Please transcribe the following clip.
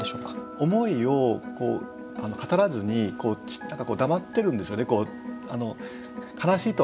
思いを語らずに黙ってるんですよね。